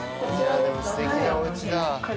すてきなおうちだ。